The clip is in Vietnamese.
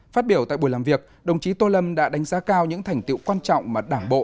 phát biểu tại buổi làm việc đồng chí tô lâm đã đánh giá cao những thành tiệu quan trọng mà đảng bộ